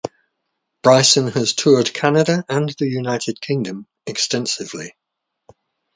Bryson has toured Canada and the United Kingdom extensively.